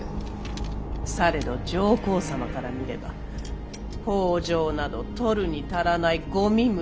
されど上皇様から見れば北条など取るに足らないごみ虫。